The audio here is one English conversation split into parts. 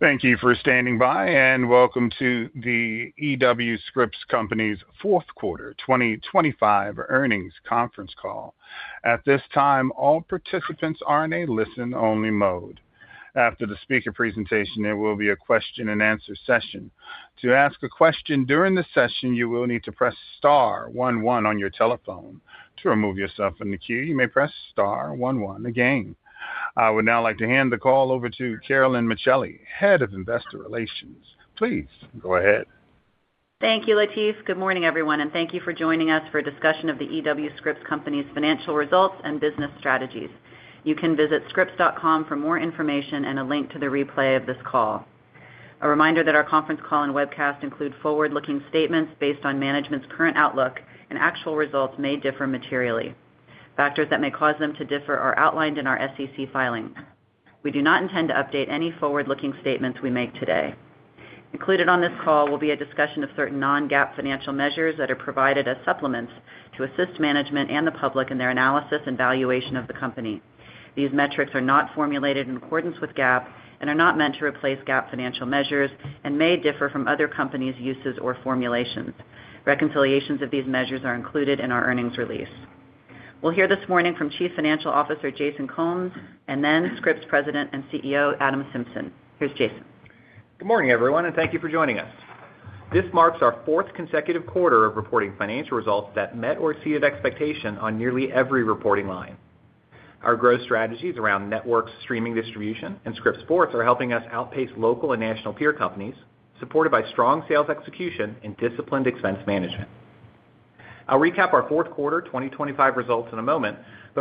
Thank you for standing by, welcome to The E.W. Scripps Company's fourth quarter 2025 earnings conference call. At this time, all participants are in a listen-only mode. After the speaker presentation, there will be a question-and-answer session. To ask a question during the session, you will need to press star one one on your telephone. To remove yourself from the queue, you may press star one one again. I would now like to hand the call over to Carolyn Micheli, Head of Investor Relations. Please go ahead. Thank you, Latif. Good morning, everyone, and thank you for joining us for a discussion of The E.W. Scripps Company's financial results and business strategies. You can visit scripps.com for more information and a link to the replay of this call. A reminder that our conference call and webcast include forward-looking statements based on management's current outlook and actual results may differ materially. Factors that may cause them to differ are outlined in our SEC filing. We do not intend to update any forward-looking statements we make today. Included on this call will be a discussion of certain non-GAAP financial measures that are provided as supplements to assist management and the public in their analysis and valuation of the company. These metrics are not formulated in accordance with GAAP and are not meant to replace GAAP financial measures and may differ from other companies' uses or formulations. Reconciliations of these measures are included in our earnings release. We'll hear this morning from Chief Financial Officer, Jason Combs, and then Scripps President and CEO, Adam Symson. Here's Jason. Good morning, everyone, and thank you for joining us. This marks our fourth consecutive quarter of reporting financial results that met or exceeded expectations on nearly every reporting line. Our growth strategies around network streaming distribution and Scripps Sports are helping us outpace local and national peer companies, supported by strong sales execution and disciplined expense management. I'll recap our fourth quarter 2025 results in a moment.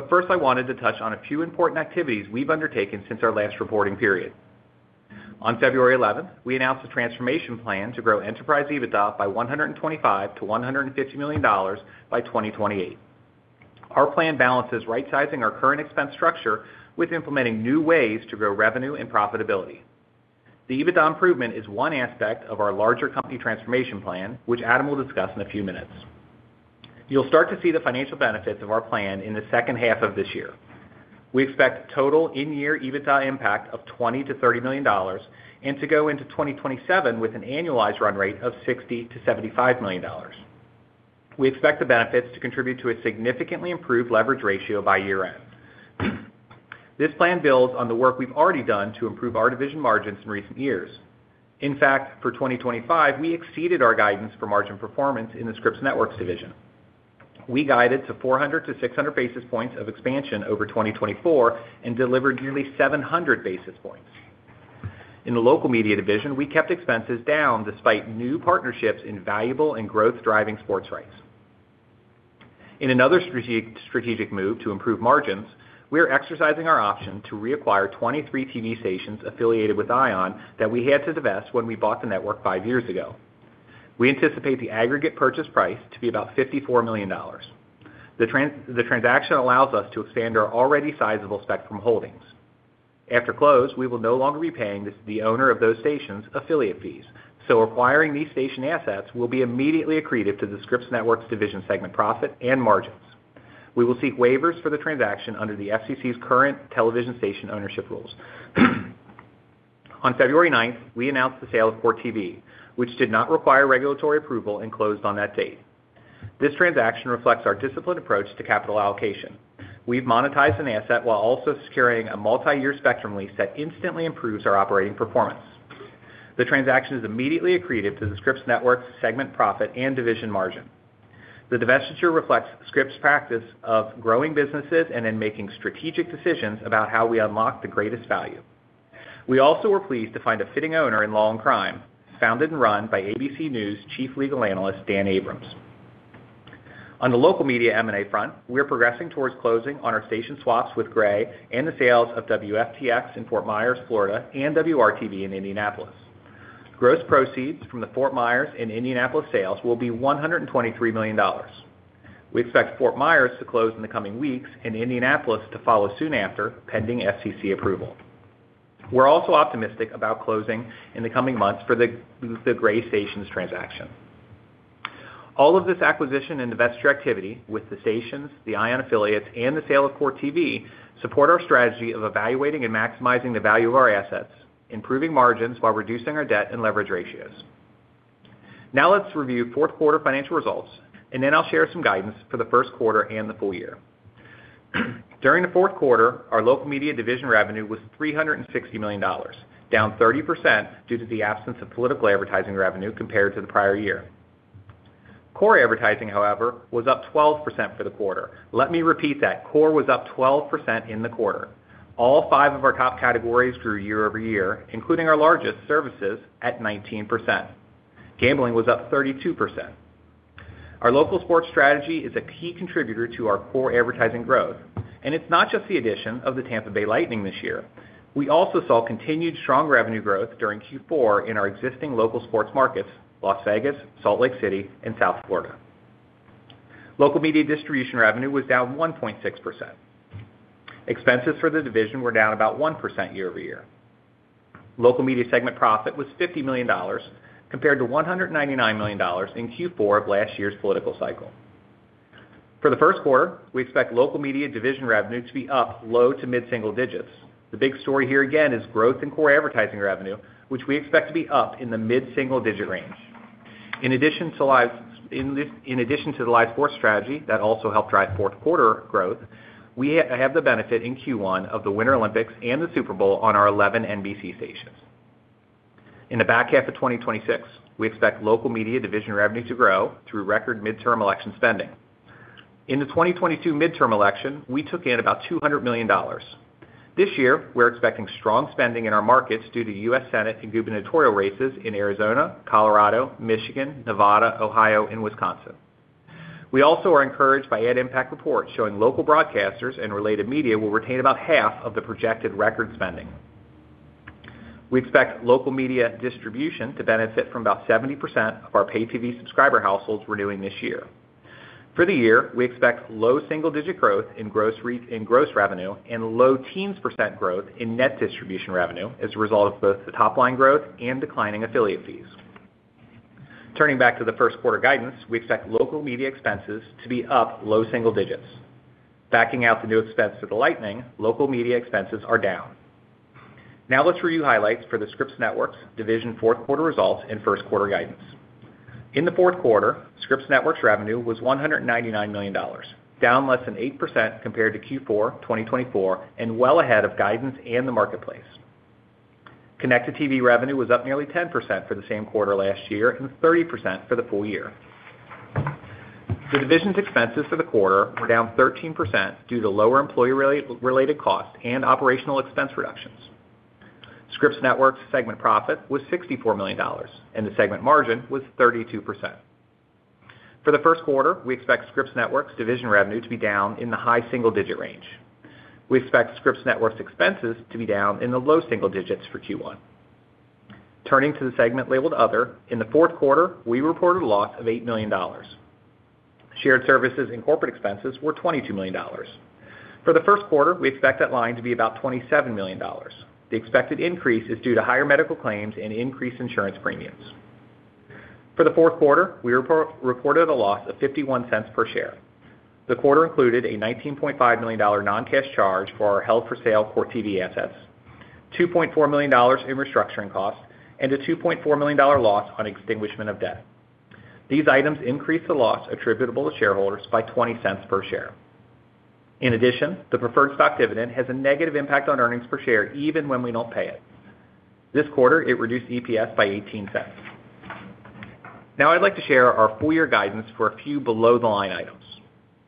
First, I wanted to touch on a few important activities we've undertaken since our last reporting period. On February 11, we announced a transformation plan to grow enterprise EBITDA by $125 million-$150 million by 2028. Our plan balances right-sizing our current expense structure with implementing new ways to grow revenue and profitability. The EBITDA improvement is one aspect of our larger company transformation plan, which Adam will discuss in a few minutes. You'll start to see the financial benefits of our plan in the second half of this year. We expect total in-year EBITDA impact of $20 million-$30 million and to go into 2027 with an annualized run rate of $60 million-$75 million. We expect the benefits to contribute to a significantly improved leverage ratio by year-end. This plan builds on the work we've already done to improve our division margins in recent years. In fact, for 2025, we exceeded our guidance for margin performance in the Scripps Networks Division. We guided to 400-600 basis points of expansion over 2024 and delivered nearly 700 basis points. In the Local Media Division, we kept expenses down despite new partnerships in valuable and growth-driving sports rights. In another strategic move to improve margins, we are exercising our option to reacquire 23 TV stations affiliated with ION that we had to divest when we bought the network five years ago. We anticipate the aggregate purchase price to be about $54 million. The transaction allows us to expand our already sizable spectrum holdings. After close, we will no longer be paying the owner of those stations affiliate fees, so acquiring these station assets will be immediately accretive to the Scripps Networks Division segment, profit and margins. We will seek waivers for the transaction under the FCC's current television station ownership rules. On February ninth, we announced the sale of Court TV, which did not require regulatory approval and closed on that date. This transaction reflects our disciplined approach to capital allocation. We've monetized an asset while also securing a multiyear spectrum lease that instantly improves our operating performance. The transaction is immediately accretive to the Scripps Networks segment, profit, and division margin. The divestiture reflects Scripps' practice of growing businesses and then making strategic decisions about how we unlock the greatest value. We also were pleased to find a fitting owner in Law & Crime, founded and run by ABC News Chief Legal Analyst, Dan Abrams. On the Local Media M&A front, we are progressing towards closing on our station swaps with Gray and the sales of WFTX in Fort Myers, Florida, and WRTV in Indianapolis. Gross proceeds from the Fort Myers and Indianapolis sales will be $123 million. We expect Fort Myers to close in the coming weeks and Indianapolis to follow soon after, pending FCC approval. We're also optimistic about closing in the coming months for the Gray stations transaction. All of this acquisition and divestiture activity with the stations, the ION affiliates, and the sale of Court TV support our strategy of evaluating and maximizing the value of our assets, improving margins while reducing our debt and leverage ratios. Let's review fourth-quarter financial results, and then I'll share some guidance for the first quarter and the full year. During the fourth quarter, our Local Media division revenue was $360 million, down 30% due to the absence of political advertising revenue compared to the prior year. Core advertising, however, was up 12% for the quarter. Let me repeat that, core was up 12% in the quarter. All five of our top categories grew year-over-year, including our largest, services, at 19%. Gambling was up 32%. Our local sports strategy is a key contributor to our core advertising growth. It's not just the addition of the Tampa Bay Lightning this year. We also saw continued strong revenue growth during Q4 in our existing local sports markets, Las Vegas, Salt Lake City, and South Florida. Local Media distribution revenue was down 1.6%. Expenses for the division were down about 1% year-over-year. Local Media segment profit was $50 million, compared to $199 million in Q4 of last year's political cycle. For the first quarter, we expect Local Media Division revenue to be up low to mid-single digits. The big story here, again, is growth in core advertising revenue, which we expect to be up in the mid-single digit range. In addition to the live sports strategy that also helped drive fourth quarter growth, we have the benefit in Q1 of the Winter Olympics and the Super Bowl on our 11 NBC stations. In the back half of 2026, we expect Local Media revenue to grow through record midterm election spending. In the 2022 midterm election, we took in about $200 million. This year, we're expecting strong spending in our markets due to U.S. Senate and gubernatorial races in Arizona, Colorado, Michigan, Nevada, Ohio, and Wisconsin. We also are encouraged by AdImpact reports showing local broadcasters and related media will retain about half of the projected record spending. We expect local media distribution to benefit from about 70% of our pay TV subscriber households renewing this year. For the year, we expect low single-digit growth in gross revenue and low teens % growth in net distribution revenue as a result of both the top line growth and declining affiliate fees. Turning back to the first quarter guidance, we expect Local Media expenses to be up low single digits. Backing out the new expense to the Lightning, Local Media expenses are down. Let's review highlights for the Scripps Networks division fourth quarter results and first quarter guidance. In the fourth quarter, Scripps Networks revenue was $199 million, down less than 8% compared to Q4 2024, and well ahead of guidance and the marketplace. Connected TV revenue was up nearly 10% for the same quarter last year and 30% for the full year. The division's expenses for the quarter were down 13% due to lower employee related costs and operational expense reductions. Scripps Networks segment profit was $64 million, and the segment margin was 32%. For the first quarter, we expect Scripps Networks division revenue to be down in the high single-digit range. We expect Scripps Networks expenses to be down in the low single digits for Q1. Turning to the segment labeled Other, in the fourth quarter, we reported a loss of $80 million. Shared services and corporate expenses were $22 million. For the first quarter, we expect that line to be about $27 million. The expected increase is due to higher medical claims and increased insurance premiums. For the fourth quarter, we reported a loss of $0.51 per share. The quarter included a $19.5 million non-cash charge for our held-for-sale Court TV assets, $2.4 million in restructuring costs, and a $2.4 million loss on extinguishment of debt. These items increased the loss attributable to shareholders by $0.20 per share. In addition, the preferred stock dividend has a negative impact on earnings per share even when we don't pay it. This quarter, it reduced EPS by $0.18. Now, I'd like to share our full year guidance for a few below-the-line items.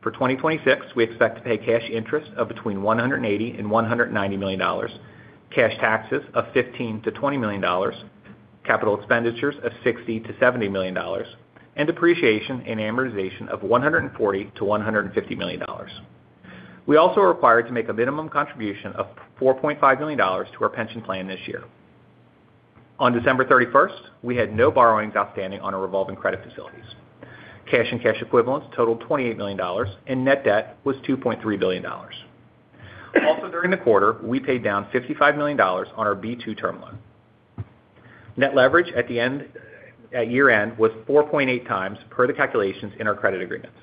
For 2026, we expect to pay cash interest of between $180 million and $190 million, cash taxes of $15 million-$20 million, capital expenditures of $60 million-$70 million, and depreciation and amortization of $140 million-$150 million. We also are required to make a minimum contribution of $4.5 million to our pension plan this year. On December 31st, we had no borrowings outstanding on our revolving credit facilities. Cash and cash equivalents totaled $28 million, and net debt was $2.3 billion. During the quarter, we paid down $55 million on our B-2 term loan. Net leverage at the end, at year-end was 4.8 times per the calculations in our credit agreements.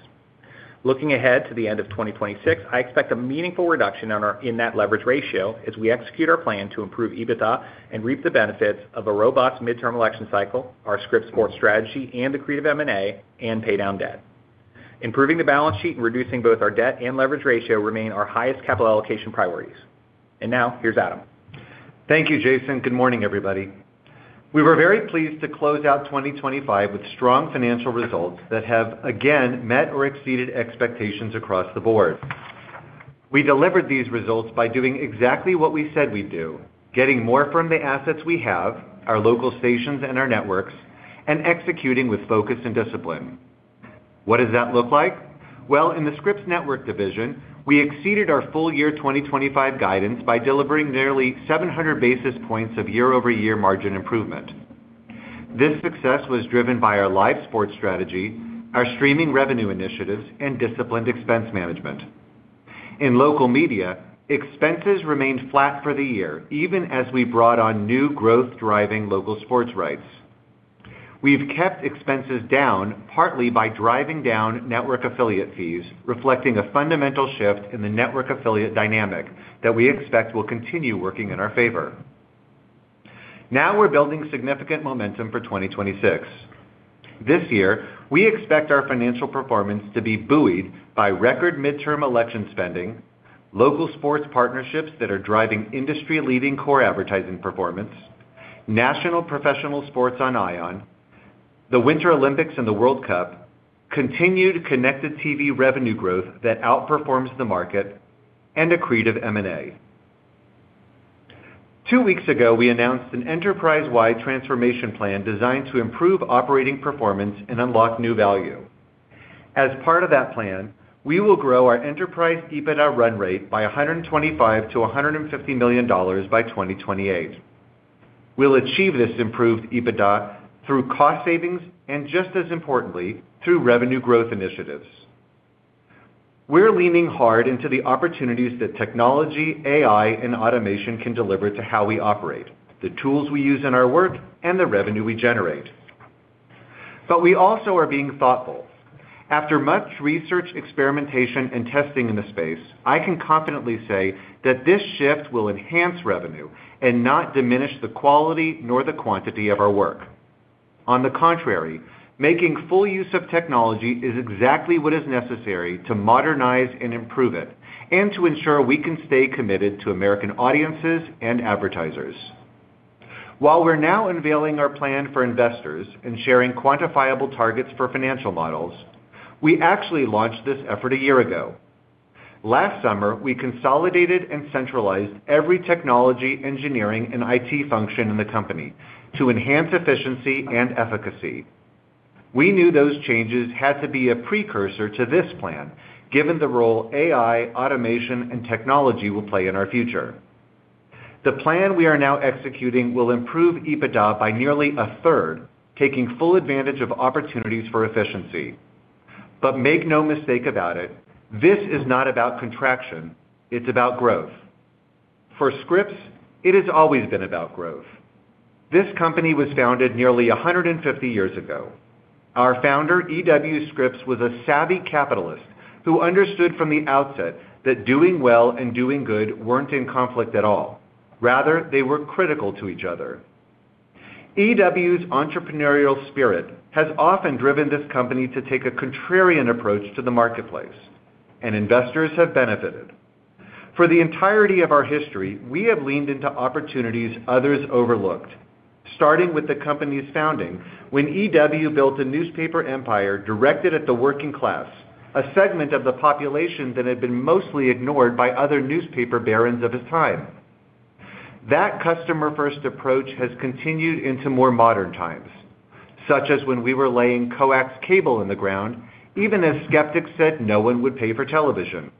Looking ahead to the end of 2026, I expect a meaningful reduction in that leverage ratio as we execute our plan to improve EBITDA and reap the benefits of a robust midterm election cycle, our Scripps Sports strategy, and accretive M&A, and pay down debt. Improving the balance sheet and reducing both our debt and leverage ratio remain our highest capital allocation priorities. Now, here's Adam. Thank you, Jason. Good morning, everybody. We were very pleased to close out 2025 with strong financial results that have again met or exceeded expectations across the board. We delivered these results by doing exactly what we said we'd do, getting more from the assets we have, our local stations and our networks, and executing with focus and discipline. What does that look like? Well, in the Scripps Network division, we exceeded our full year 2025 guidance by delivering nearly 700 basis points of year-over-year margin improvement. This success was driven by our live sports strategy, our streaming revenue initiatives, and disciplined expense management. In Local Media, expenses remained flat for the year, even as we brought on new growth-driving local sports rights. We've kept expenses down, partly by driving down network affiliate fees, reflecting a fundamental shift in the network affiliate dynamic that we expect will continue working in our favor. We're building significant momentum for 2026. This year, we expect our financial performance to be buoyed by record midterm election spending, local sports partnerships that are driving industry-leading core advertising performance, national professional sports on ION, the Winter Olympics and the World Cup, continued connected TV revenue growth that outperforms the market, and accretive M&A. Two weeks ago, we announced an enterprise-wide transformation plan designed to improve operating performance and unlock new value. As part of that plan, we will grow our enterprise EBITDA run rate by $125 million-$150 million by 2028. We'll achieve this improved EBITDA through cost savings and, just as importantly, through revenue growth initiatives. We're leaning hard into the opportunities that technology, AI, and automation can deliver to how we operate, the tools we use in our work, and the revenue we generate. We also are being thoughtful. After much research, experimentation, and testing in the space, I can confidently say that this shift will enhance revenue and not diminish the quality nor the quantity of our work. On the contrary, making full use of technology is exactly what is necessary to modernize and improve it, and to ensure we can stay committed to American audiences and advertisers. While we're now unveiling our plan for investors and sharing quantifiable targets for financial models, we actually launched this effort a year ago. Last summer, we consolidated and centralized every technology, engineering, and IT function in the company to enhance efficiency and efficacy. We knew those changes had to be a precursor to this plan, given the role AI, automation, and technology will play in our future. The plan we are now executing will improve EBITDA by nearly a third, taking full advantage of opportunities for efficiency. Make no mistake about it, this is not about contraction, it's about growth. For Scripps, it has always been about growth. This company was founded nearly 150 years ago. Our founder, E. W. Scripps, was a savvy capitalist who understood from the outset that doing well and doing good weren't in conflict at all. They were critical to each other. E. W.'s entrepreneurial spirit has often driven this company to take a contrarian approach to the marketplace. Investors have benefited. For the entirety of our history, we have leaned into opportunities others overlooked, starting with the company's founding when E. W. built a newspaper empire directed at the working class, a segment of the population that had been mostly ignored by other newspaper barons of his time. That customer-first approach has continued into more modern times, such as when we were laying coax cable in the ground, even as skeptics said no one would pay for television,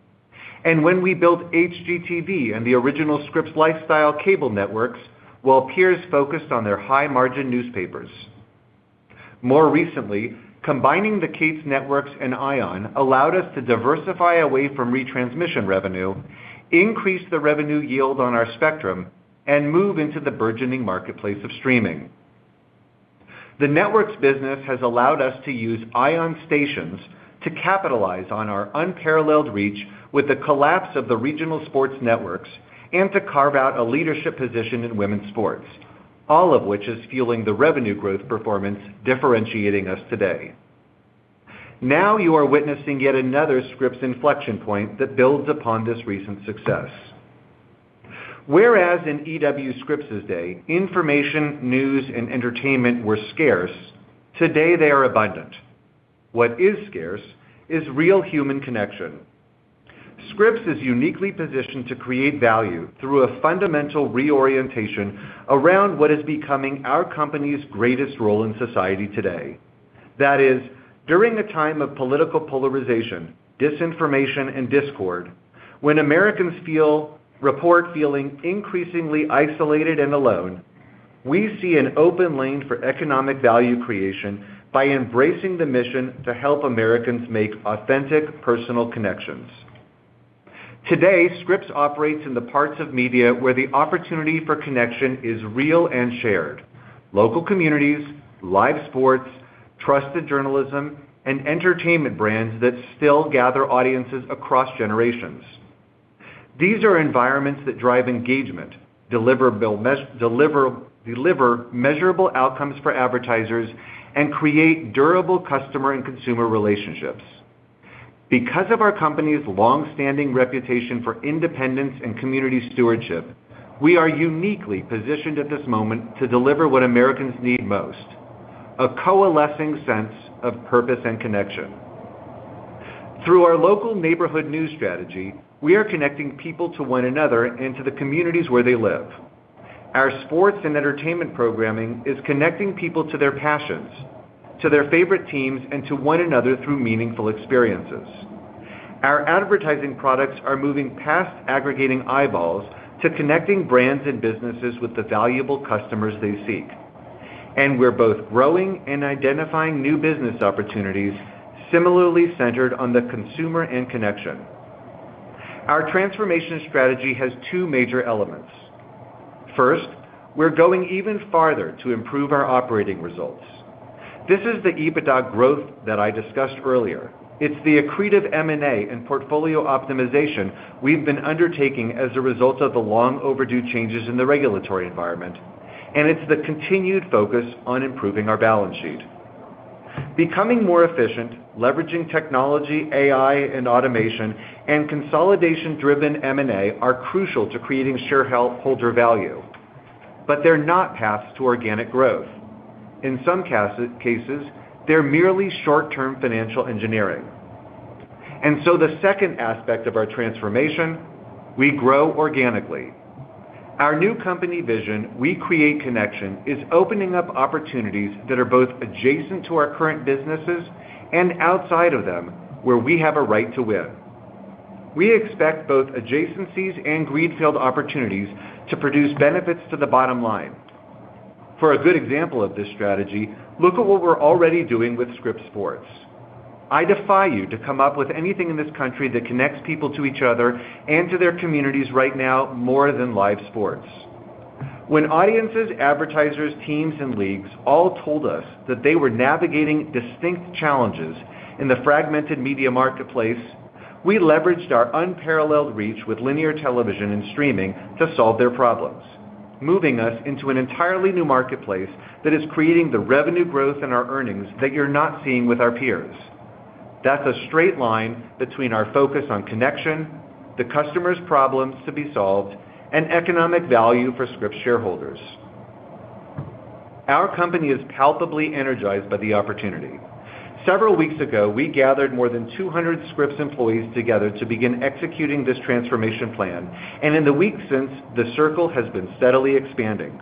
and when we built HGTV and the original Scripps lifestyle cable networks, while peers focused on their high-margin newspapers. More recently, combining the Katz Networks and ION allowed us to diversify away from retransmission revenue, increase the revenue yield on our spectrum, and move into the burgeoning marketplace of streaming. The networks business has allowed us to use ION stations to capitalize on our unparalleled reach with the collapse of the regional sports networks and to carve out a leadership position in women's sports, all of which is fueling the revenue growth performance differentiating us today. Now, you are witnessing yet another Scripps inflection point that builds upon this recent success. Whereas in E. W. Scripps's day, information, news, and entertainment were scarce, today they are abundant. What is scarce is real human connection. Scripps is uniquely positioned to create value through a fundamental reorientation around what is becoming our company's greatest role in society today. That is, during a time of political polarization, disinformation, and discord, when Americans report feeling increasingly isolated and alone, we see an open lane for economic value creation by embracing the mission to help Americans make authentic, personal connections. Today, Scripps operates in the parts of media where the opportunity for connection is real and shared: local communities, live sports, trusted journalism, and entertainment brands that still gather audiences across generations. These are environments that drive engagement, deliver measurable outcomes for advertisers, and create durable customer and consumer relationships. Because of our company's long-standing reputation for independence and community stewardship, we are uniquely positioned at this moment to deliver what Americans need most, a coalescing sense of purpose and connection. Through our local neighborhood news strategy, we are connecting people to one another and to the communities where they live. Our sports and entertainment programming is connecting people to their passions, to their favorite teams, and to one another through meaningful experiences. Our advertising products are moving past aggregating eyeballs to connecting brands and businesses with the valuable customers they seek. We're both growing and identifying new business opportunities similarly centered on the consumer and connection. Our transformation strategy has two major elements. First, we're going even farther to improve our operating results. This is the EBITDA growth that I discussed earlier. It's the accretive M&A and portfolio optimization we've been undertaking as a result of the long-overdue changes in the regulatory environment, and it's the continued focus on improving our balance sheet. Becoming more efficient, leveraging technology, AI, and automation, and consolidation-driven M&A are crucial to creating shareholder value, but they're not paths to organic growth. In some cases, they're merely short-term financial engineering. The second aspect of our transformation, we grow organically. Our new company vision, We Create Connection, is opening up opportunities that are both adjacent to our current businesses and outside of them, where we have a right to win. We expect both adjacencies and greenfield opportunities to produce benefits to the bottom line. For a good example of this strategy, look at what we're already doing with Scripps Sports. I defy you to come up with anything in this country that connects people to each other and to their communities right now more than live sports. When audiences, advertisers, teams, and leagues all told us that they were navigating distinct challenges in the fragmented media marketplace, we leveraged our unparalleled reach with linear television and streaming to solve their problems, moving us into an entirely new marketplace that is creating the revenue growth in our earnings that you're not seeing with our peers. That's a straight line between our focus on connection, the customer's problems to be solved, and economic value for Scripps shareholders. Our company is palpably energized by the opportunity. Several weeks ago, we gathered more than 200 Scripps employees together to begin executing this transformation plan, and in the weeks since, the circle has been steadily expanding.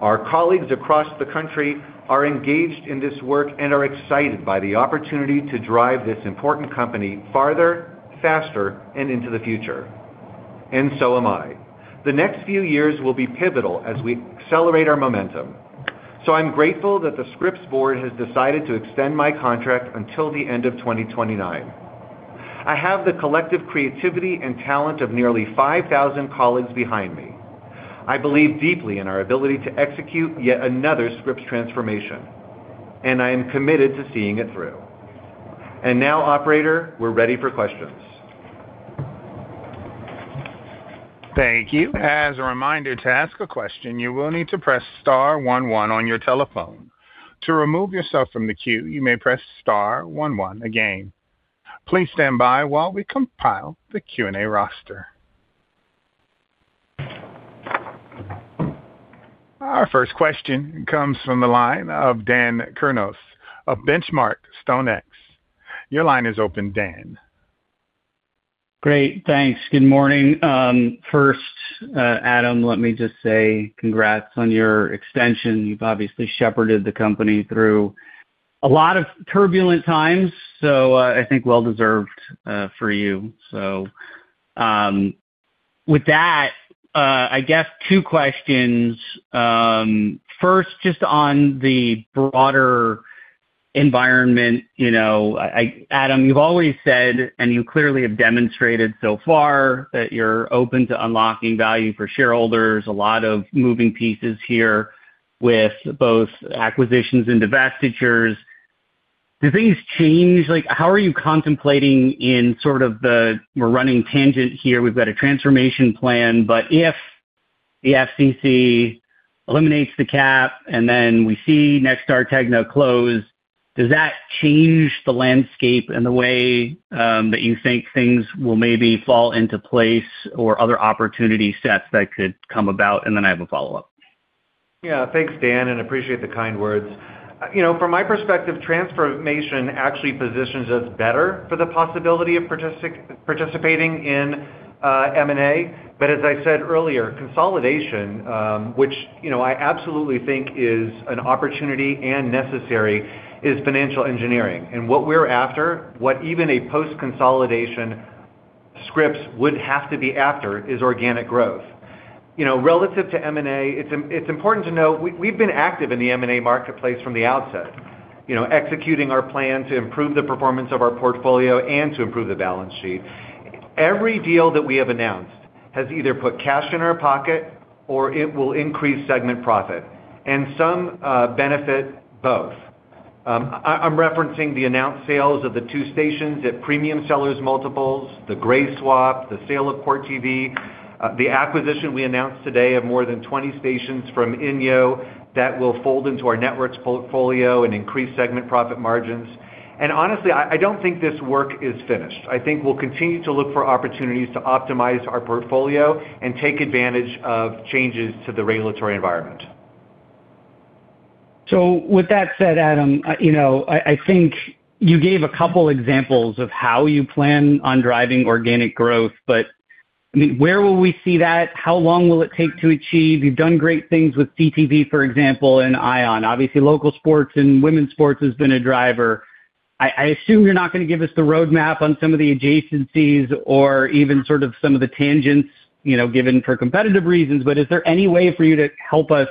Our colleagues across the country are engaged in this work and are excited by the opportunity to drive this important company farther, faster, and into the future, and so am I. The next few years will be pivotal as we accelerate our momentum. I'm grateful that the Scripps board has decided to extend my contract until the end of 2029. I have the collective creativity and talent of nearly 5,000 colleagues behind me. I believe deeply in our ability to execute yet another Scripps transformation, and I am committed to seeing it through. Now, operator, we're ready for questions. Thank you. As a reminder, to ask a question, you will need to press star 1 1 on your telephone. To remove yourself from the queue, you may press star 1 1 again. Please stand by while we compile the Q&A roster. Our first question comes from the line of Dan Kurnos of The Benchmark Company. Your line is open, Dan. Great, thanks. Good morning. First, Adam, let me just say congrats on your extension. You've obviously shepherded the company through a lot of turbulent times. I think well-deserved for you. With that, I guess two questions. First, just on the broader environment, you know, Adam, you've always said, and you clearly have demonstrated so far, that you're open to unlocking value for shareholders. A lot of moving pieces here with both acquisitions and divestitures. Do things change? Like, how are you contemplating? We're running tangent here. We've got a transformation plan. If the FCC eliminates the cap, then we see Nexstar-TEGNA close, does that change the landscape and the way that you think things will maybe fall into place or other opportunity sets that could come about? Then I have a follow-up. Yeah. Thanks, Dan. I appreciate the kind words. You know, from my perspective, transformation actually positions us better for the possibility of participating in M&A. As I said earlier, consolidation, which, you know, I absolutely think is an opportunity and necessary, is financial engineering. What we're after, what even a post-consolidation Scripps would have to be after, is organic growth. You know, relative to M&A, it's important to note we've been active in the M&A marketplace from the outset, you know, executing our plan to improve the performance of our portfolio and to improve the balance sheet. Every deal that we have announced has either put cash in our pocket or it will increase segment profit, and some benefit both. I'm referencing the announced sales of the 2 stations at premium sellers multiples, the Gray swap, the sale of Court TV, the acquisition we announced today of more than 20 stations from INYO that will fold into our networks portfolio and increase segment profit margins. Honestly, I don't think this work is finished. I think we'll continue to look for opportunities to optimize our portfolio and take advantage of changes to the regulatory environment. With that said, Adam, you know, I think you gave a couple examples of how you plan on driving organic growth, but, I mean, where will we see that? How long will it take to achieve? You've done great things with CTV, for example, and ION. Obviously, local sports and women's sports has been a driver. I assume you're not going to give us the roadmap on some of the adjacencies or even sort of some of the tangents, you know, given for competitive reasons. Is there any way for you to help us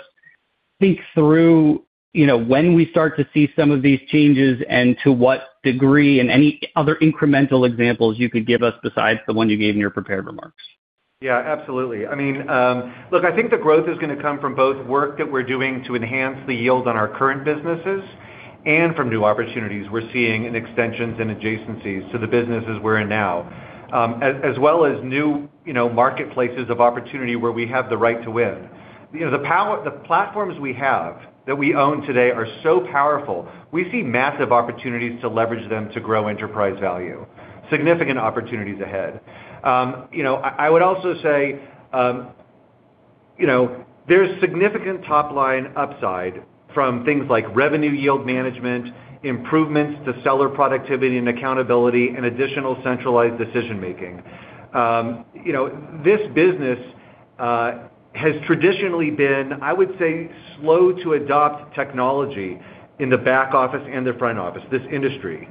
think through, you know, when we start to see some of these changes and to what degree, and any other incremental examples you could give us besides the one you gave in your prepared remarks? Absolutely. I mean, look, I think the growth is going to come from both work that we're doing to enhance the yield on our current businesses and from new opportunities we're seeing in extensions and adjacencies to the businesses we're in now, as well as new, you know, marketplaces of opportunity where we have the right to win. You know, the platforms we have, that we own today are so powerful, we see massive opportunities to leverage them to grow enterprise value, significant opportunities ahead. I would also say, you know, there's significant top-line upside from things like revenue yield management, improvements to seller productivity and accountability, and additional centralized decision-making. You know, this business has traditionally been, I would say, slow to adopt technology in the back office and the front office, this industry.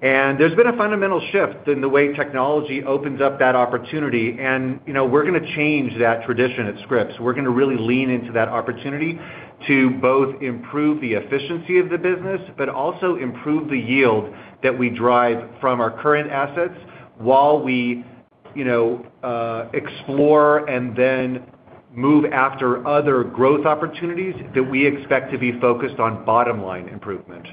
There's been a fundamental shift in the way technology opens up that opportunity, and, you know, we're gonna change that tradition at Scripps. We're gonna really lean into that opportunity to both improve the efficiency of the business, but also improve the yield that we drive from our current assets while we, you know, explore and then move after other growth opportunities that we expect to be focused on bottom line improvement.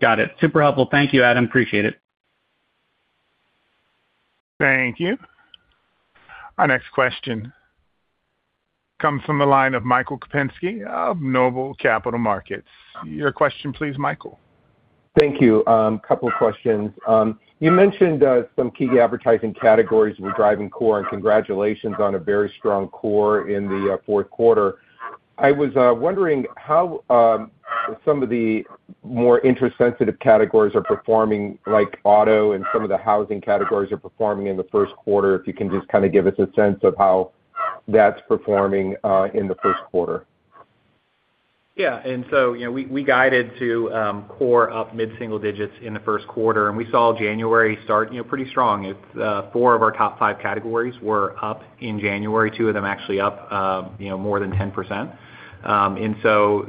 Got it. Super helpful. Thank you, Adam. Appreciate it. Thank you. Our next question comes from the line of Michael Kupinski of Noble Capital Markets. Your question please, Michael. Thank you. Couple questions. You mentioned some key advertising categories were driving core, and congratulations on a very strong core in the fourth quarter. I was wondering how some of the more interest sensitive categories are performing, like auto and some of the housing categories are performing in the first quarter, if you can just kind of give us a sense of how that's performing in the first quarter? Yeah, you know, we guided to core up mid-single digits in the first quarter, we saw January start, you know, pretty strong. Four of our top five categories were up in January. Two of them actually up, you know, more than 10%.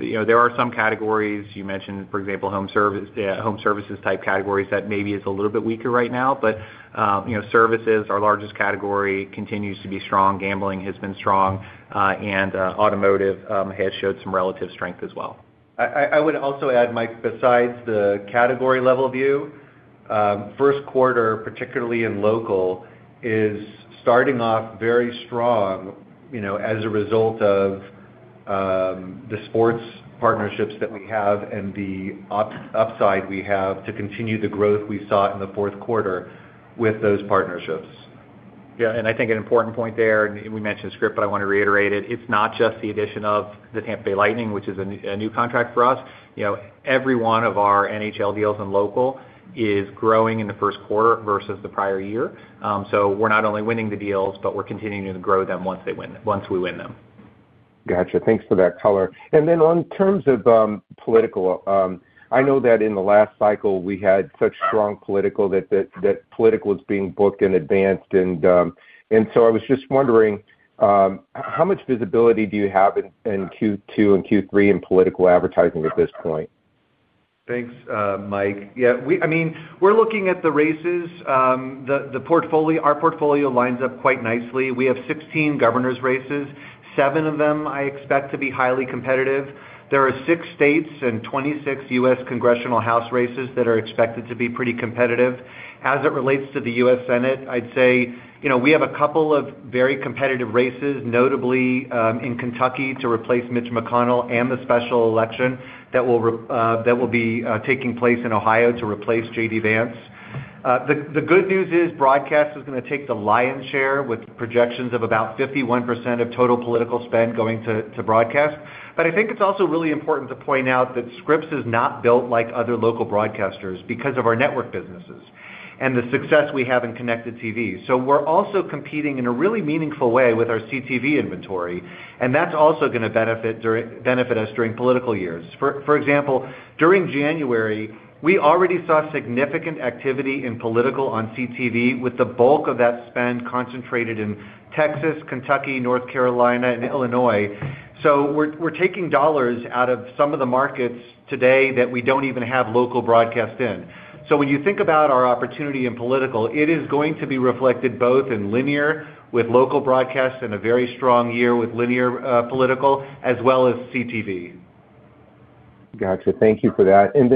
You know, there are some categories you mentioned, for example, home services type categories, that maybe is a little bit weaker right now. You know, services, our largest category, continues to be strong, gambling has been strong, and automotive has showed some relative strength as well. I would also add, Mike, besides the category level view, first quarter, particularly in local, is starting off very strong, you know, as a result of the sports partnerships that we have and the upside we have to continue the growth we saw in the fourth quarter with those partnerships. I think an important point there. We mentioned Scripps, but I want to reiterate it. It's not just the addition of the Tampa Bay Lightning, which is a new, a new contract for us. You know, every one of our NHL deals and local is growing in the first quarter versus the prior year. We're not only winning the deals, but we're continuing to grow them once we win them. Gotcha, thanks for that color. On terms of political, I know that in the last cycle, we had such strong political, that political was being booked in advance. I was just wondering, how much visibility do you have in Q2 and Q3 in political advertising at this point? Thanks, Mike. Yeah, I mean, we're looking at the races, our portfolio lines up quite nicely. We have 16 governors races. 7 of them, I expect to be highly competitive. There are 6 states and 26 U.S. Congressional House races that are expected to be pretty competitive. As it relates to the U.S. Senate, I'd say, you know, we have a couple of very competitive races, notably, in Kentucky, to replace Mitch McConnell and the special election that will be taking place in Ohio to replace J.D. Vance. The good news is broadcast is gonna take the lion's share, with projections of about 51% of total political spend going to broadcast. I think it's also really important to point out that Scripps is not built like other local broadcasters because of our network businesses and the success we have in connected TV. We're also competing in a really meaningful way with our CTV inventory, and that's also gonna benefit us during political years. For example, during January, we already saw significant activity in political on CTV, with the bulk of that spend concentrated in Texas, Kentucky, North Carolina and Illinois. We're taking dollars out of some of the markets today that we don't even have local broadcast in. When you think about our opportunity in political, it is going to be reflected both in linear with local broadcasts and a very strong year with linear, political as well as CTV. Gotcha. Thank you for that. In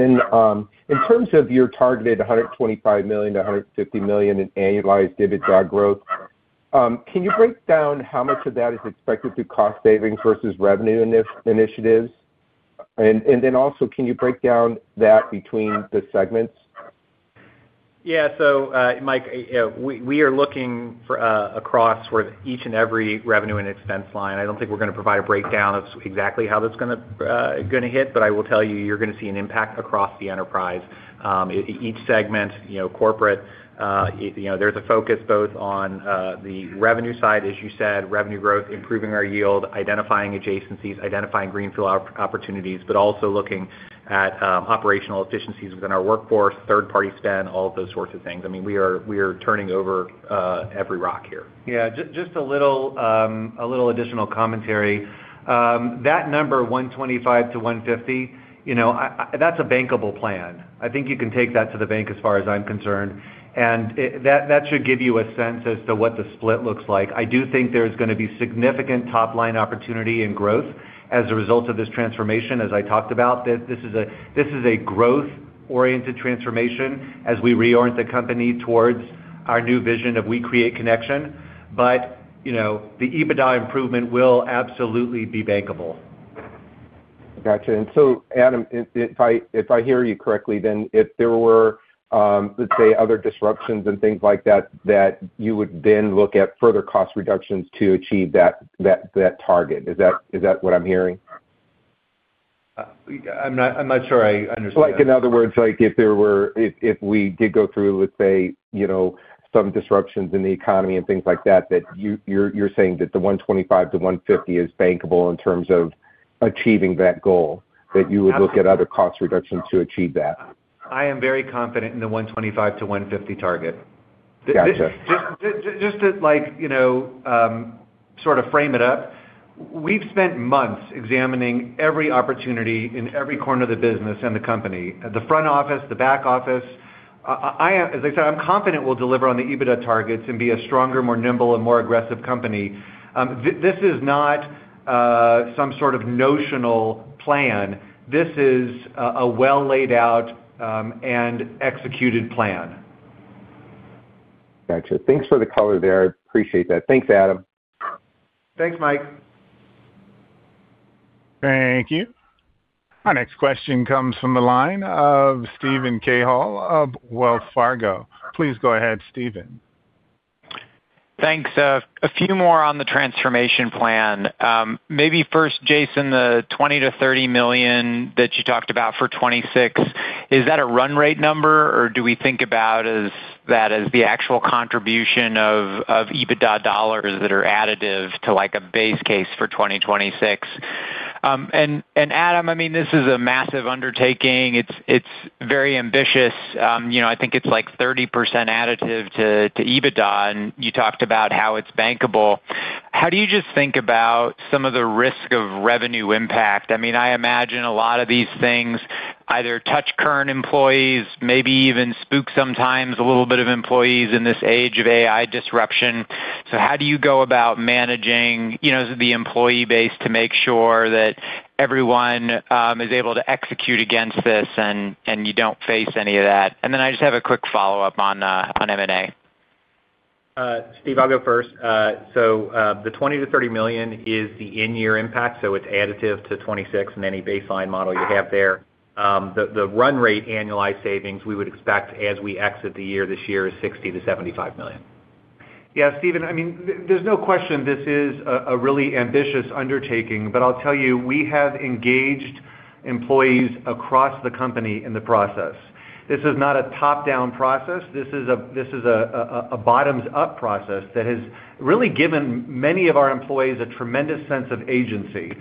terms of your targeted $125 million to $150 million in annualized EBITDA growth, can you break down how much of that is expected to cost savings versus revenue in this initiatives? Can you break down that between the segments? Yeah. Mike, we are looking for across where each and every revenue and expense line. I don't think we're gonna provide a breakdown of exactly how that's gonna gonna hit, but I will tell you're gonna see an impact across the enterprise. each segment, you know, corporate, you know, there's a focus both on the revenue side, as you said, revenue growth, improving our yield, identifying adjacencies, identifying greenfield opportunities, but also looking at operational efficiencies within our workforce, third-party spend, all of those sorts of things. I mean, we are turning over every rock here. Just a little additional commentary. That number, 125 to 150, you know, that's a bankable plan. I think you can take that to the bank as far as I'm concerned, and that should give you a sense as to what the split looks like. I do think there's gonna be significant top-line opportunity and growth as a result of this transformation, as I talked about. This is a growth-oriented transformation as we reorient the company towards our new vision of We Create Connection. You know, the EBITDA improvement will absolutely be bankable. Gotcha. Adam, if I hear you correctly, then if there were, let's say, other disruptions and things like that you would then look at further cost reductions to achieve that target. Is that what I'm hearing? I'm not sure I understand. Like, in other words, like, if we did go through, let's say, you know, some disruptions in the economy and things like that you're saying that the 125 to 150 is bankable in terms of achieving that goal, that you would look at other cost reductions to achieve that? I am very confident in the $125-$150 target. Just to like, you know, sort of frame it up, we've spent months examining every opportunity in every corner of the business and the company, the front office, the back office. I, as I said, I'm confident we'll deliver on the EBITDA targets and be a stronger, more nimble, and more aggressive company. This is not some sort of notional plan. This is a well-laid out and executed plan. Gotcha. Thanks for the color there. I appreciate that. Thanks, Adam. Thanks, Mike. Thank you. Our next question comes from the line of Steven Cahall of Wells Fargo. Please go ahead, Steven. Thanks. A few more on the transformation plan. Maybe first, Jason, the $20 million-$30 million that you talked about for 2026, is that a run rate number, or do we think about as that as the actual contribution of EBITDA dollars that are additive to, like, a base case for 2026? Adam, I mean, this is a massive undertaking. It's very ambitious. You know, I think it's like 30% additive to EBITDA, and you talked about how it's bankable. How do you just think about some of the risk of revenue impact? I mean, I imagine a lot of these things either touch current employees, maybe even spook sometimes a little bit of employees in this age of AI disruption. How do you go about managing, you know, the employee base to make sure that everyone is able to execute against this and you don't face any of that? Then I just have a quick follow-up on M&A. Steve, I'll go first. The $20 million-$30 million is the in-year impact, it's additive to 2026 and any baseline model you have there. The run rate annualized savings we would expect as we exit the year this year is $60 million-$75 million. Yeah, Steven, I mean, there's no question this is a really ambitious undertaking, but I'll tell you, we have engaged employees across the company in the process. This is not a top-down process. This is a bottoms-up process that has really given many of our employees a tremendous sense of agency.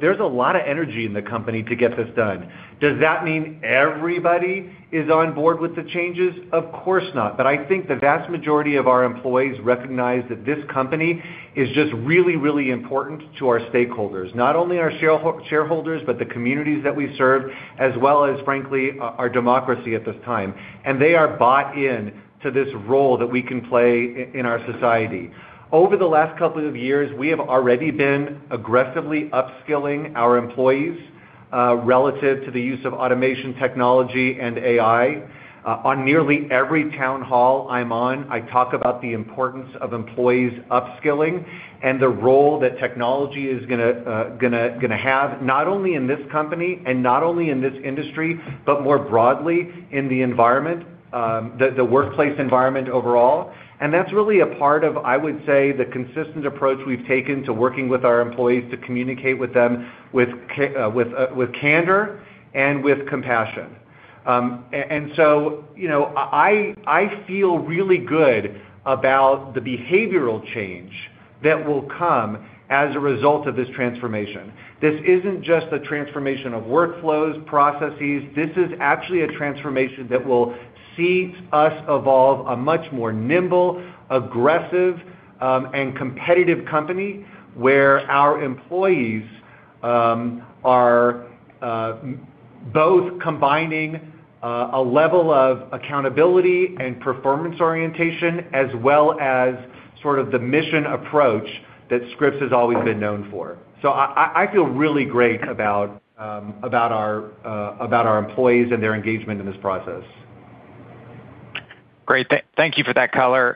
There's a lot of energy in the company to get this done. Does that mean everybody is on board with the changes? Of course not. I think the vast majority of our employees recognize that this company is just really, really important to our stakeholders, not only our shareholders, but the communities that we serve, as well as, frankly, our democracy at this time. They are bought in to this role that we can play in our society. Over the last couple of years, we have already been aggressively upskilling our employees, relative to the use of automation, technology, and AI. On nearly every town hall I'm on, I talk about the importance of employees upskilling and the role that technology is gonna have, not only in this company and not only in this industry, but more broadly in the environment, the workplace environment overall. That's really a part of, I would say, the consistent approach we've taken to working with our employees to communicate with them, with candor and with compassion. You know, I feel really good about the behavioral change that will come as a result of this transformation. This isn't just a transformation of workflows, processes. This is actually a transformation that will see us evolve a much more nimble, aggressive, and competitive company, where our employees, are both combining a level of accountability and performance orientation, as well as sort of the mission approach that Scripps has always been known for. I feel really great about our employees and their engagement in this process. Great. Thank you for that color.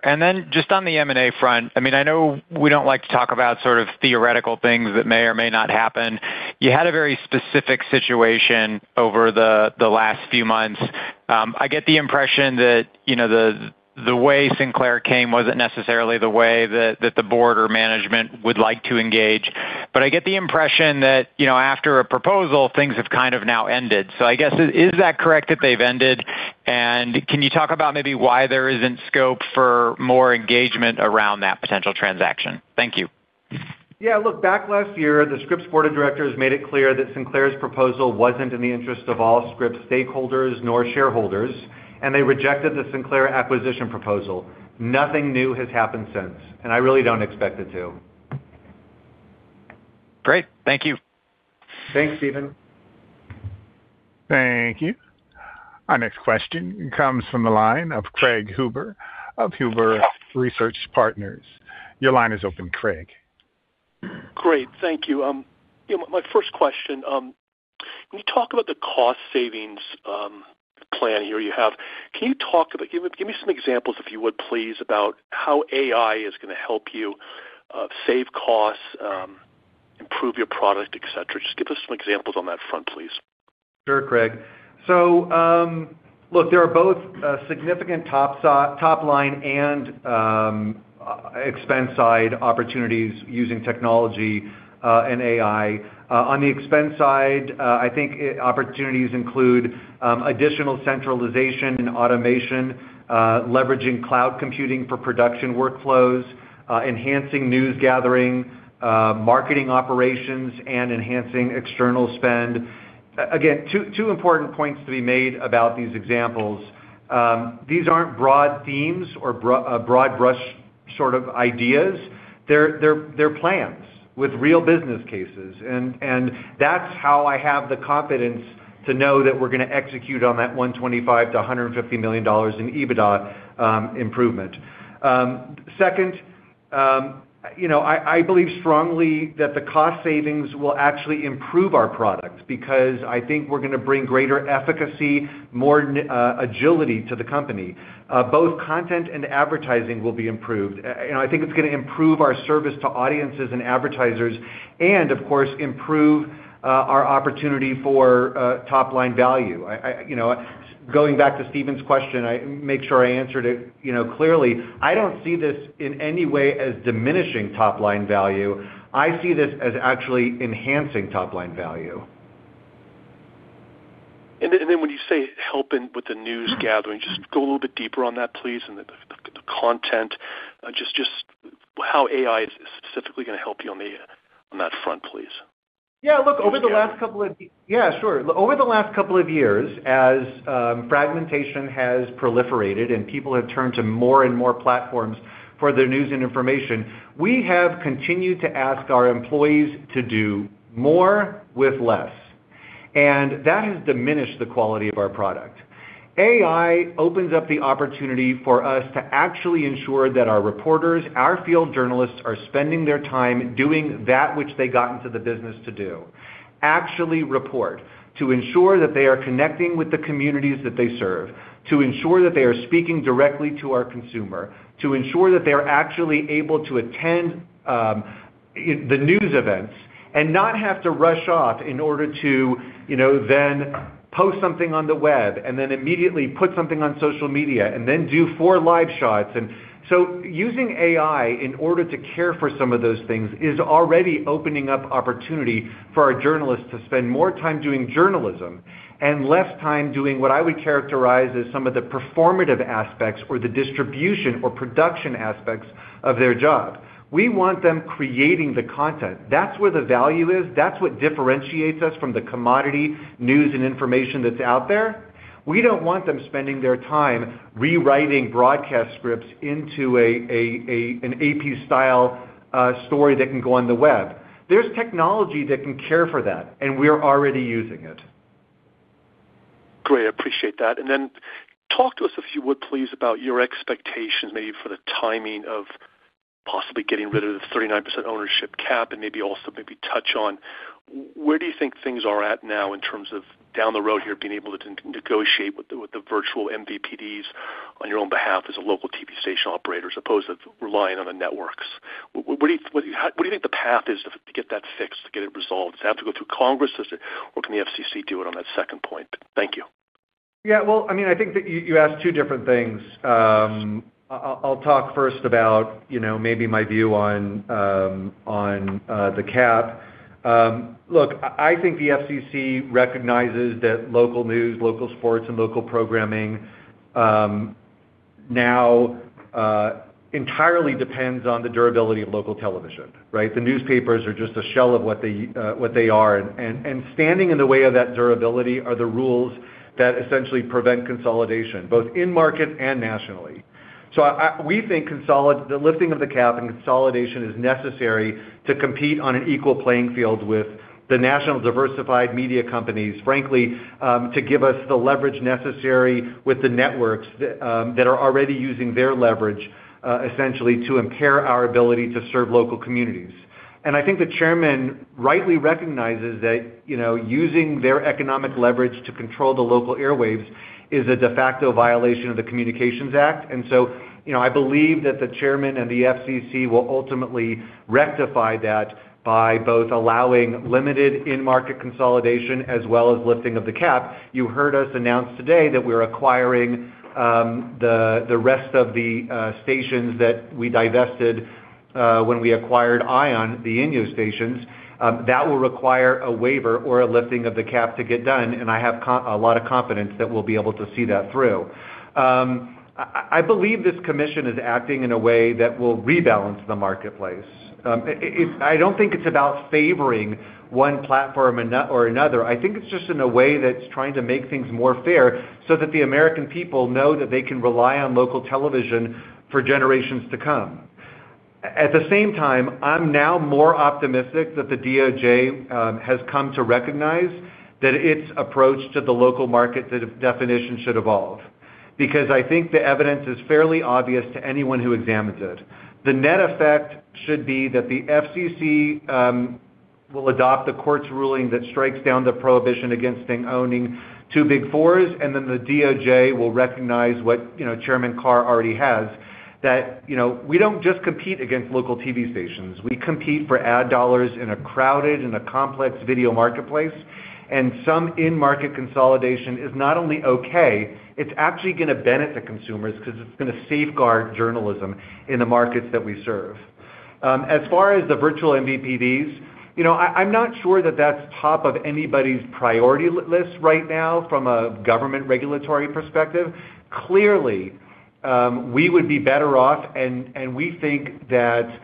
Just on the M&A front, I mean, I know we don't like to talk about sort of theoretical things that may or may not happen. You had a very specific situation over the last few months. I get the impression that, you know, the way Sinclair came wasn't necessarily the way that the board or management would like to engage. I get the impression that, you know, after a proposal, things have kind of now ended. I guess, is that correct, that they've ended? Can you talk about maybe why there isn't scope for more engagement around that potential transaction? Thank you. Yeah, look, back last year, the Scripps board of directors made it clear that Sinclair's proposal wasn't in the interest of all Scripps stakeholders nor shareholders, and they rejected the Sinclair acquisition proposal. Nothing new has happened since, and I really don't expect it to. Great. Thank you. Thanks, Steven. Thank you. Our next question comes from the line of Craig Huber of Huber Research Partners. Your line is open, Craig. Great. Thank you. You know, my first question, when you talk about the cost savings plan here you have, can you give me some examples, if you would, please, about how AI is gonna help you save costs, improve your product, et cetera? Just give us some examples on that front, please. Sure, Craig. Look, there are both significant top line and expense side opportunities using technology and AI. On the expense side, I think opportunities include additional centralization and automation, leveraging cloud computing for production workflows, enhancing news gathering, marketing operations, and enhancing external spend. Again, two important points to be made about these examples. These aren't broad themes or broad-brush sort of ideas, they're plans with real business cases, and that's how I have the confidence to know that we're gonna execute on that $125 million-$150 million in EBITDA improvement. Second, you know, I believe strongly that the cost savings will actually improve our products because I think we're gonna bring greater efficacy, more agility to the company. Both content and advertising will be improved. You know, I think it's gonna improve our service to audiences and advertisers and, of course, improve our opportunity for top-line value. You know, going back to Steven's question, I make sure I answered it, you know, clearly. I don't see this in any way as diminishing top-line value. I see this as actually enhancing top-line value. When you say helping with the news gathering, just go a little bit deeper on that, please, and the content. Just how AI is specifically gonna help you on that front, please. Sure. Over the last couple of years, as fragmentation has proliferated and people have turned to more and more platforms for their news and information, we have continued to ask our employees to do more with less. That has diminished the quality of our product. AI opens up the opportunity for us to actually ensure that our reporters, our field journalists, are spending their time doing that which they got into the business to do. Actually report, to ensure that they are connecting with the communities that they serve, to ensure that they are speaking directly to our consumer, to ensure that they are actually able to attend, the news events and not have to rush off in order to, you know, then post something on the web and then immediately put something on social media and then do four live shots. Using AI in order to care for some of those things is already opening up opportunity for our journalists to spend more time doing journalism and less time doing what I would characterize as some of the performative aspects or the distribution or production aspects of their job. We want them creating the content. That's where the value is. That's what differentiates us from the commodity news and information that's out there. We don't want them spending their time rewriting broadcast scripts into an AP style story that can go on the web. There's technology that can care for that. We are already using it. Great, I appreciate that. Talk to us, if you would, please, about your expectations, maybe for the timing of possibly getting rid of the 39% ownership cap, and maybe also maybe touch on where do you think things are at now in terms of down the road here, being able to negotiate with the, with the virtual MVPDs on your own behalf as a local TV station operator, as opposed to relying on the networks? What do you think the path is to get that fixed, to get it resolved? Does it have to go through Congress, or can the FCC do it on that second point? Thank you. Yeah, well, I mean, I think that you asked two different things. I'll talk first about, you know, maybe my view on the cap. Look, I think the FCC recognizes that local news, local sports, and local programming now entirely depends on the durability of local television, right? The newspapers are just a shell of what they are, and standing in the way of that durability are the rules that essentially prevent consolidation, both in-market and nationally. We think the lifting of the cap and consolidation is necessary to compete on an equal playing field with the national diversified media companies, frankly, to give us the leverage necessary with the networks that are already using their leverage essentially to impair our ability to serve local communities. I think the Chairman rightly recognizes that, you know, using their economic leverage to control the local airwaves is a de facto violation of the Communications Act. You know, I believe that the Chairman and the FCC will ultimately rectify that by both allowing limited in-market consolidation as well as lifting of the cap. You heard us announce today that we're acquiring the rest of the stations that we divested when we acquired ION, the INYO stations. That will require a waiver or a lifting of the cap to get done, and I have a lot of confidence that we'll be able to see that through. I believe this commission is acting in a way that will rebalance the marketplace. It, I don't think it's about favoring one platform or another. I think it's just in a way that's trying to make things more fair so that the American people know that they can rely on local television for generations to come. At the same time, I'm now more optimistic that the DOJ has come to recognize that its approach to the local market, the definition should evolve. Because I think the evidence is fairly obvious to anyone who examines it. The net effect should be that the FCC will adopt the court's ruling that strikes down the prohibition against them owning 2 Big Fours, and then the DOJ will recognize what, you know, Chairman Carr already has, that, you know, we don't just compete against local TV stations. We compete for ad dollars in a crowded and a complex video marketplace, and some in-market consolidation is not only okay, it's actually gonna benefit consumers because it's gonna safeguard journalism in the markets that we serve. As far as the virtual MVPDs, you know, I'm not sure that that's top of anybody's priority list right now from a government regulatory perspective. Clearly, we would be better off, and we think that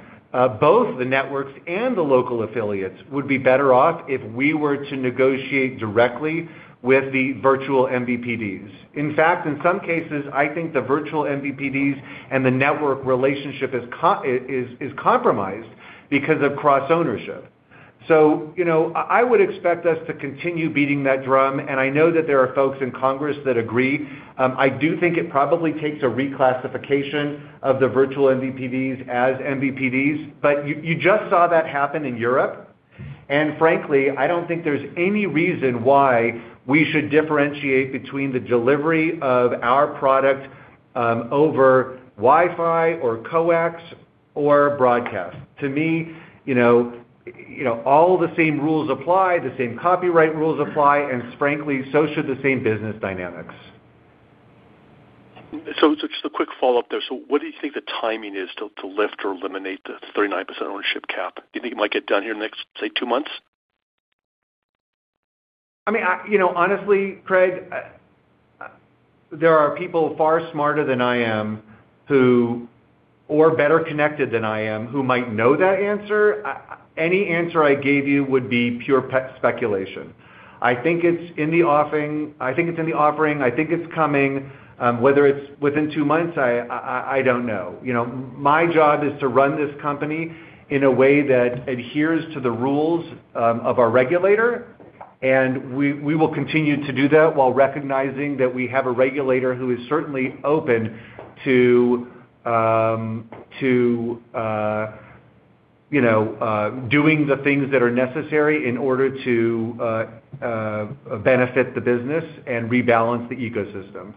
both the networks and the local affiliates would be better off if we were to negotiate directly with the virtual MVPDs. In fact, in some cases, I think the virtual MVPDs and the network relationship is compromised because of cross-ownership. You know, I would expect us to continue beating that drum, and I know that there are folks in Congress that agree. I do think it probably takes a reclassification of the virtual MVPDs as MVPDs, but you just saw that happen in Europe. Frankly, I don't think there's any reason why we should differentiate between the delivery of our product over Wi-Fi or coax or broadcast. To me, you know, all the same rules apply, the same copyright rules apply, frankly, so should the same business dynamics. Just a quick follow-up there. What do you think the timing is to lift or eliminate the 39% ownership cap? Do you think it might get done here in the next, say, 2 months? I mean, I, you know, honestly, Craig, there are people far smarter than I am, or better connected than I am, who might know that answer. Any answer I gave you would be pure speculation. I think it's in the offing. I think it's in the offering. I think it's coming, whether it's within two months, I don't know. You know, my job is to run this company in a way that adheres to the rules of our regulator, and we will continue to do that while recognizing that we have a regulator who is certainly open to, you know, doing the things that are necessary in order to, benefit the business and rebalance the ecosystem.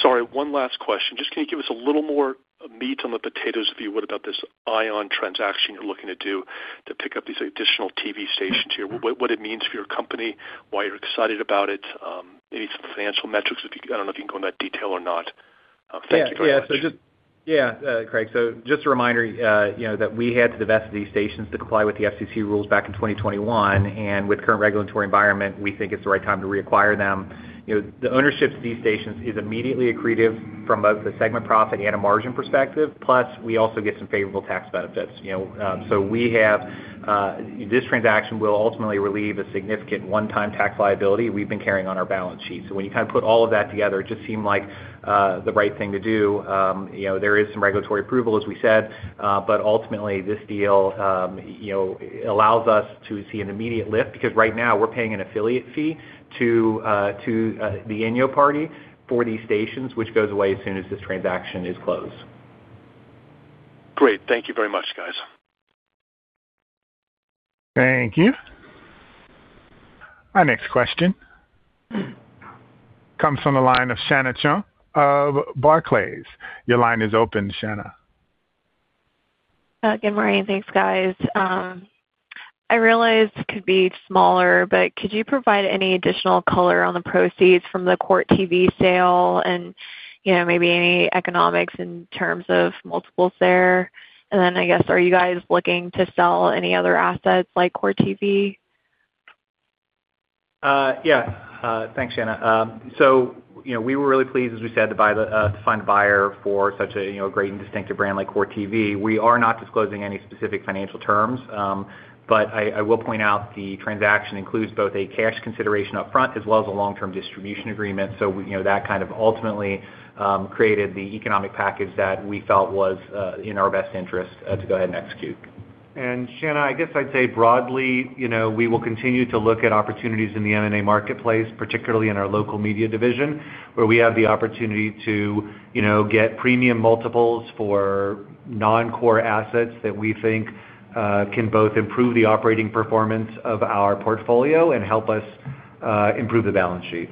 Sorry, one last question. Just can you give us a little more meat on the potatoes view, what about this ION transaction you're looking to do to pick up these additional TV stations here? What, what it means for your company, why you're excited about it, any financial metrics, I don't know if you can go into that detail or not? Thank you very much. Yeah, yeah. Craig. Just a reminder, you know, that we had to divest these stations to comply with the FCC rules back in 2021, and with current regulatory environment, we think it's the right time to reacquire them. You know, the ownership to these stations is immediately accretive from both the segment profit and a margin perspective, plus, we also get some favorable tax benefits, you know. This transaction will ultimately relieve a significant one-time tax liability we've been carrying on our balance sheet. When you kind of put all of that together, it just seemed like the right thing to do. You know, there is some regulatory approval, as we said, but ultimately, this deal, you know, allows us to see an immediate lift, because right now we're paying an affiliate fee to the INYO party for these stations, which goes away as soon as this transaction is closed. Great. Thank you very much, guys. Thank you. Our next question comes from the line of Shanna Qiu of Barclays. Your line is open, Shanna. Good morning. Thanks, guys. I realize it could be smaller, but could you provide any additional color on the proceeds from the Court TV sale and, you know, maybe any economics in terms of multiples there? I guess, are you guys looking to sell any other assets like Court TV? Yeah, thanks, Shanna. You know, we were really pleased, as we said, to find a buyer for such a, you know, great and distinctive brand like Court TV. We are not disclosing any specific financial terms. I will point out the transaction includes both a cash consideration upfront as well as a long-term distribution agreement. You know, that kind of ultimately, created the economic package that we felt was, in our best interest, to go ahead and execute. Shanna, I guess I'd say broadly, you know, we will continue to look at opportunities in the M&A marketplace, particularly in our Local Media division, where we have the opportunity to, you know, get premium multiples for non-core assets that we think can both improve the operating performance of our portfolio and help us improve the balance sheet.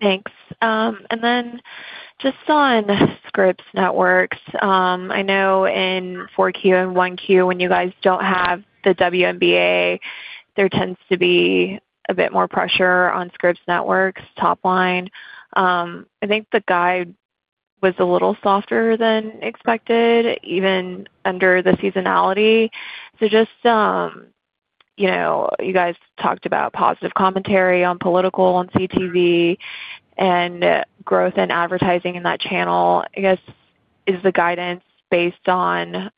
Thanks. Just on Scripps Networks, I know in 4Q and 1Q, when you guys don't have the WNBA, there tends to be a bit more pressure on Scripps Networks' top line. I think the guide was a little softer than expected, even under the seasonality. Just, you know, you guys talked about positive commentary on political, on CTV and growth in advertising in that channel. I guess, is the guidance based on,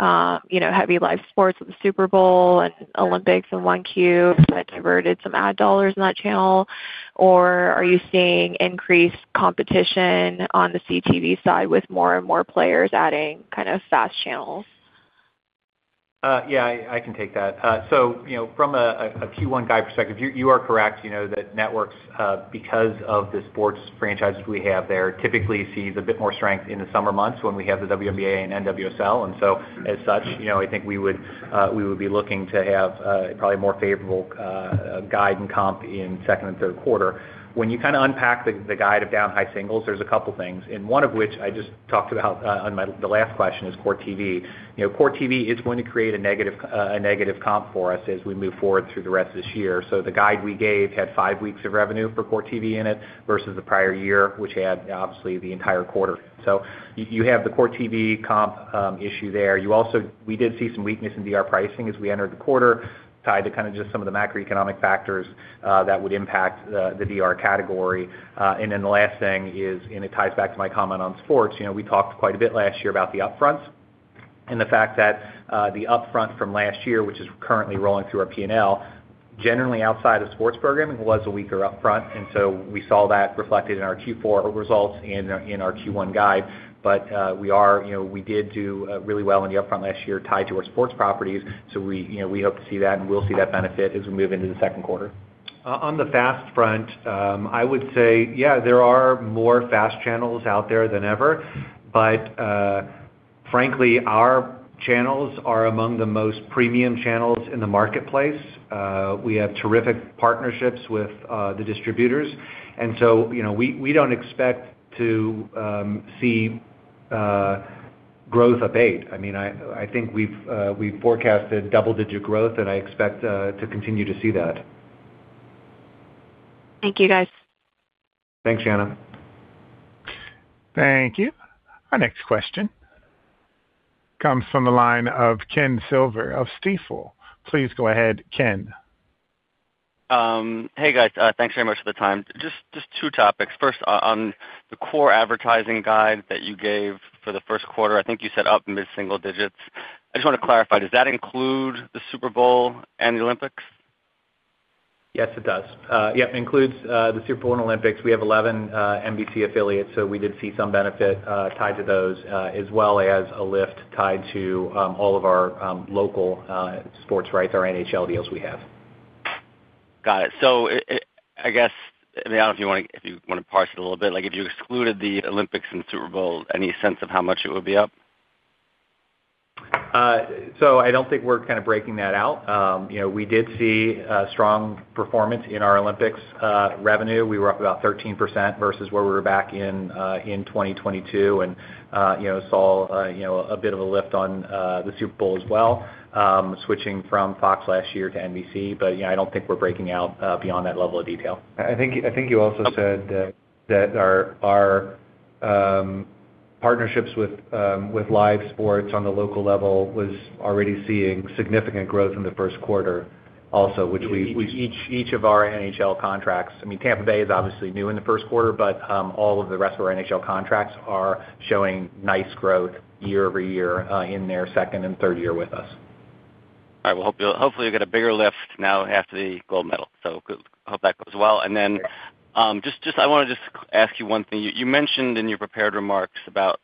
you know, heavy live sports with the Super Bowl and Olympics in 1Q, that diverted some ad dollars in that channel? Or are you seeing increased competition on the CTV side with more and more players adding kind of fast channels? Yeah, I can take that. You know, from a Q1 guide perspective, you are correct. You know, that networks, because of the sports franchises we have there, typically sees a bit more strength in the summer months when we have the WNBA and NWSL, as such, you know, I think we would be looking to have probably a more favorable guide and comp in second and third quarter. When you kinda unpack the guide of down high singles, there's a couple things, one of which I just talked about the last question, is Court TV. You know, Court TV is going to create a negative, a negative comp for us as we move forward through the rest of this year. The guide we gave had 5 weeks of revenue for Court TV in it versus the prior year, which had obviously the entire quarter. You have the Court TV comp issue there. We did see some weakness in DR pricing as we entered the quarter, tied to kind of just some of the macroeconomic factors that would impact the DR category. The last thing is, and it ties back to my comment on sports, you know, we talked quite a bit last year about the upfronts and the fact that the upfront from last year, which is currently rolling through our P&L. Generally, outside of sports programming, it was a weaker upfront, we saw that reflected in our Q4 results and in our Q1 guide. We are, you know, we did do really well in the upfront last year tied to our sports properties. We, you know, we hope to see that, and we'll see that benefit as we move into the second quarter. On the FAST front, I would say, yeah, there are more FAST channels out there than ever, but frankly, our channels are among the most premium channels in the marketplace. We have terrific partnerships with the distributors. You know, we don't expect to see growth abate. I mean, I think we've forecasted double-digit growth, and I expect to continue to see that. Thank you, guys. Thanks, Shanna. Thank you. Our next question comes from the line of Ken Silver of Stifel. Please go ahead, Ken. Hey, guys, thanks very much for the time. Just two topics. First, on the core advertising guide that you gave for the first quarter, I think you said up mid-single digits. I just want to clarify, does that include the Super Bowl and the Olympics? Yes, it does. Yep, includes the Super Bowl and Olympics. We have 11 NBC affiliates, we did see some benefit tied to those, as well as a lift tied to all of our local sports rights, our NHL deals we have. Got it. I guess, I don't know if you wanna, if you wanna parse it a little bit. Like, if you excluded the Olympics and Super Bowl, any sense of how much it would be up? I don't think we're kind of breaking that out. You know, we did see a strong performance in our Olympics revenue. We were up about 13% versus where we were back in 2022. You know, saw, you know, a bit of a lift on the Super Bowl as well, switching from Fox last year to NBC. You know, I don't think we're breaking out beyond that level of detail. I think you also said that our partnerships with live sports on the local level was already seeing significant growth in the first quarter also, which. Each of our NHL contracts. I mean, Tampa Bay is obviously new in the first quarter, but all of the rest of our NHL contracts are showing nice growth year-over-year in their second and third year with us. All right. Well, hopefully, you'll get a bigger lift now after the gold medal. Hope that goes well. Just I want to just ask you one thing. You mentioned in your prepared remarks about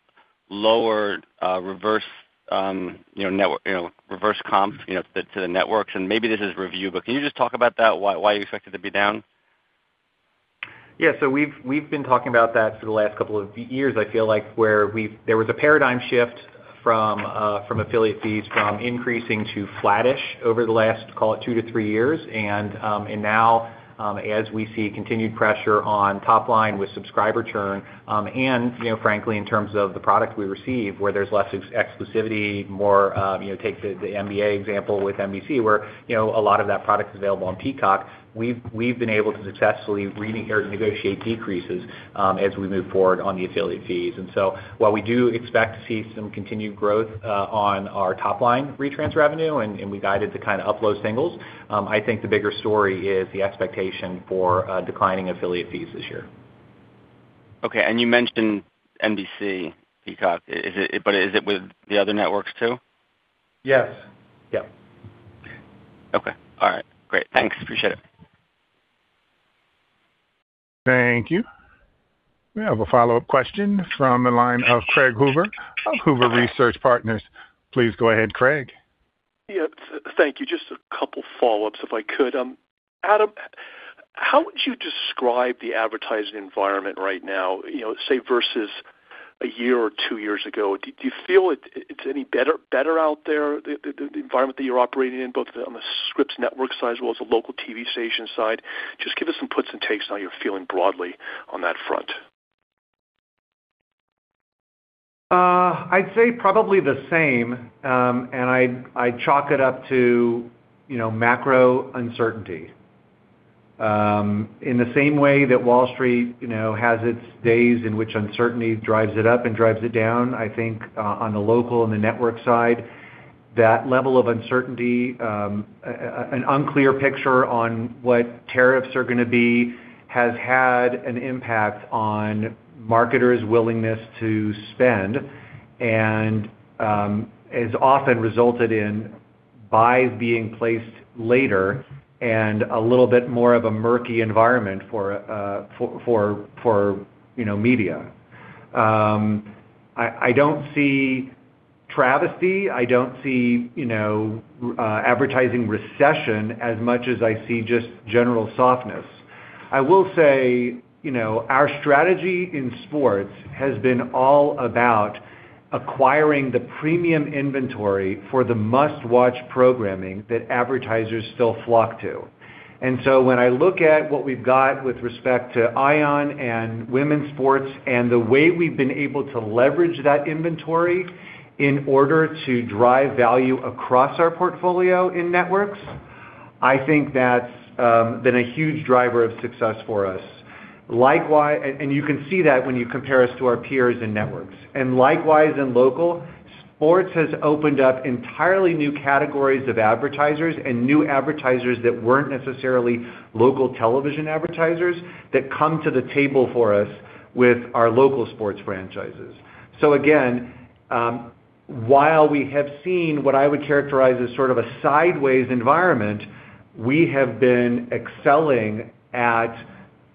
lower, reverse, you know, network, you know, reverse comps, you know, to the networks, and maybe this is review, but can you just talk about that? Why you expect it to be down? So we've been talking about that for the last couple of years. I feel like where we've there was a paradigm shift from from affiliate fees from increasing to flattish over the last, call it 2-3 years. Now, as we see continued pressure on top line with subscriber churn, and, you know, frankly, in terms of the product we receive, where there's less exclusivity, more, you know, take the NBA example with NBC, where, you know, a lot of that product is available on Peacock. We've, we've been able to successfully or negotiate decreases, as we move forward on the affiliate fees. While we do expect to see some continued growth, on our top line retrans revenue, and we guided to kind of up low singles, I think the bigger story is the expectation for declining affiliate fees this year. Okay. You mentioned NBC, Peacock. Is it with the other networks, too? Yes. Yep. Okay. All right. Great. Thanks, appreciate it. Thank you. We have a follow-up question from the line of Craig Huber of Huber Research Partners. Please go ahead, Craig. Yeah, thank you. Just a couple follow-ups, if I could. Adam, how would you describe the advertising environment right now, you know, say, versus 1 year or 2 years ago? Do you feel it's any better out there, the environment that you're operating in, both on the Scripps Networks side as well as the local TV station side? Just give us some puts and takes on how you're feeling broadly on that front. I'd say probably the same, and I chalk it up to, you know, macro uncertainty. In the same way that Wall Street, you know, has its days in which uncertainty drives it up and drives it down, I think, on the local and the network side, that level of uncertainty, an unclear picture on what tariffs are gonna be, has had an impact on marketers' willingness to spend. Has often resulted in buys being placed later and a little bit more of a murky environment for, you know, media. I don't see travesty. I don't see, you know, advertising recession as much as I see just general softness. I will say, you know, our strategy in sports has been all about acquiring the premium inventory for the must-watch programming that advertisers still flock to. When I look at what we've got with respect to ION and women's sports and the way we've been able to leverage that inventory in order to drive value across our portfolio in networks, I think that's been a huge driver of success for us. Likewise, you can see that when you compare us to our peers and networks. Likewise, in local, sports has opened up entirely new categories of advertisers and new advertisers that weren't necessarily local television advertisers, that come to the table for us with our local sports franchises. Again, while we have seen what I would characterize as sort of a sideways environment, we have been excelling at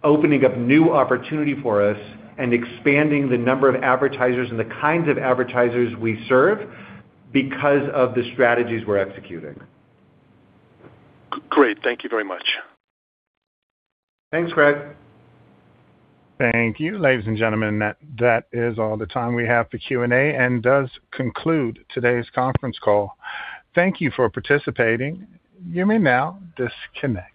opening up new opportunity for us and expanding the number of advertisers and the kinds of advertisers we serve because of the strategies we're executing. Great. Thank you very much. Thanks, Craig. Thank you, ladies and gentlemen. That is all the time we have for Q&A and does conclude today's conference call. Thank you for participating. You may now disconnect.